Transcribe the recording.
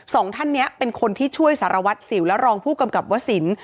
สองท่านนี้เป็นคนที่ช่วยสารวัตรสิวและรองผู้กำกับวสิน